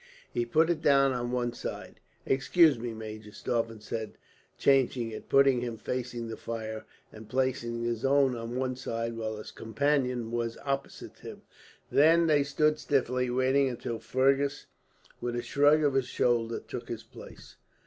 He put it down on one side. "Excuse me, major," Stauffen said, changing it putting him facing the fire, and placing his own on one side, while his companion was opposite to him. Then they stood, stiffly waiting, until Fergus, with a shrug of his shoulders, took his place.